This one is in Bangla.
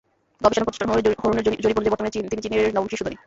গবেষণা প্রতিষ্ঠান হুরুনের জরিপ অনুযায়ী, বর্তমানে তিনি চীনের নবম শীর্ষ ধনী।